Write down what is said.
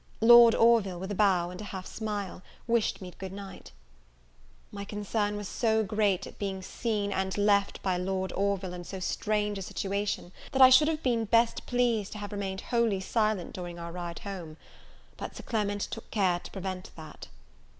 Lord Orville, with a bow and a half smile, wished me good night. My concern was so great at being seen and left by Lord Orville in so strange a situation, that I should have been best pleased to have remained wholly silent during our ride home; but Sir Clement took care to prevent that.